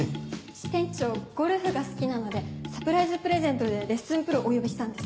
支店長ゴルフが好きなのでサプライズプレゼントでレッスンプロお呼びしたんです。